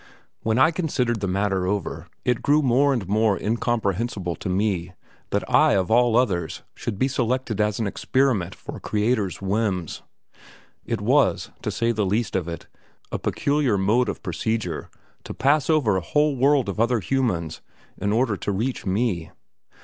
When I considered the matter over, it grew more and more incomprehensible to me that I of all others should be selected as an experiment for a Creator's whims. It was, to say the least of it, a peculiar mode of procedure to pass over a whole world of other humans in order to reach me.